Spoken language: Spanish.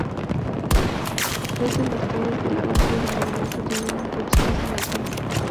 Tres de las caras de la base del monumento tienen inscripciones en Latín.